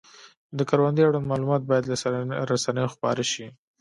د کروندې اړوند معلومات باید له رسنیو خپاره شي.